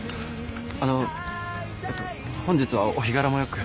あのうえっと本日はお日柄も良く。